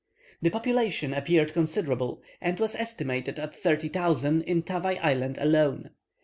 The population appeared considerable, and was estimated at 30,000 in Tavai Island alone.